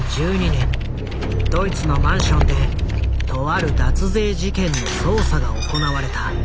２０１２年ドイツのマンションでとある脱税事件の捜査が行われた。